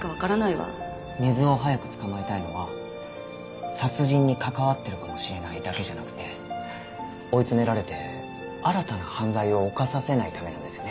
根津を早く捕まえたいのは殺人に関わってるかもしれないだけじゃなくて追い詰められて新たな犯罪を犯させないためなんですよね。